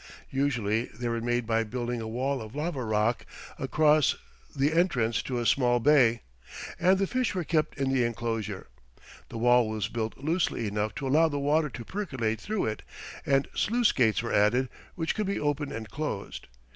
Usually they were made by building a wall of lava rock across the entrance to a small bay, and the fish were kept in the inclosure. The wall was built loosely enough to allow the water to percolate through it, and sluice gates were added, which could be opened and closed.